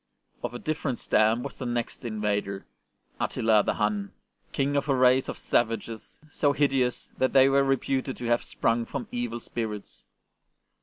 Of a different stamp was the next invader, Attila the Hun, King of a race of savages so hideous that they were reputed to have sprung from evil spirits.